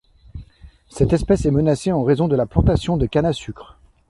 Cette espèce est menacée en raison de la plantation de canne à sucre.